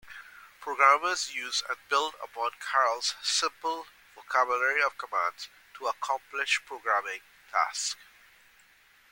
Programmers use and build upon Karel's simple vocabulary of commands to accomplish programming tasks.